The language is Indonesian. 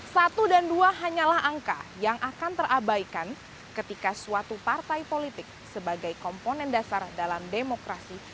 satu dan dua hanyalah angka yang akan terabaikan ketika suatu partai politik sebagai komponen dasar dalam demokrasi